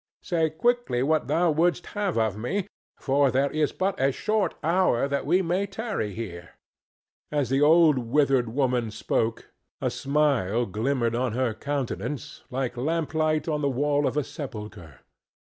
Say quickly what thou wouldst have of me, for there is but a short hour that we may tarry here." As the old withered woman spoke a smile glimmered on her countenance like lamplight on the wall of a sepulchre.